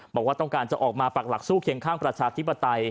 บอกว่าต้องการจะออกมาปักหลักสู้เคียงข้างประชาธิปไตย